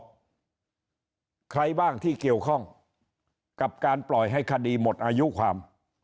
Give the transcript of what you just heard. ใครบ้างที่เกี่ยวข้องกับการปล่อยให้คดีหมดอายุความ